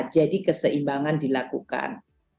jadi keseimbangan dilakukan